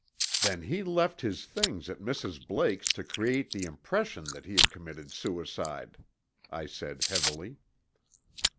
"Then he left his things at Mrs. Blake's to create the impression that he had committed suicide," I said heavily.